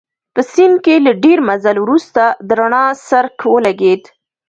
په سیند کې له ډېر مزل وروسته د رڼا څرک ولګېد.